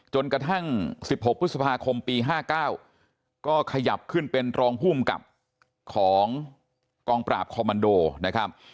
กระทั่ง๑๖พฤษภาคมปี๕๙ก็ขยับขึ้นเป็นรองภูมิกับของกองปราบคอมมันโดนะครับ